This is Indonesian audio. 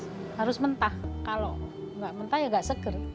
memang khas sana itu harus mentah kalau tidak mentah tidak segar